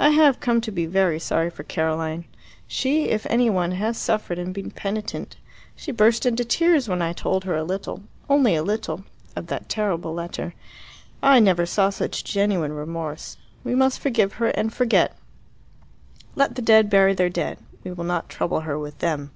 I have come to be very sorry for Caroline. She, if any one, has suffered and been penitent. She burst into tears when I told her a little, only a little, of that terrible letter. I never saw such genuine remorse. We must forgive her and forget. Let the dead bury their dead. We will not trouble her with them."